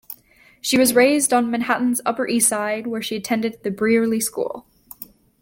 She was raised on Manhattan's Upper East Side, where she attended the Brearley School.